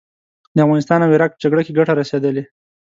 د افغانستان او عراق په جګړه کې ګټه رسېدلې.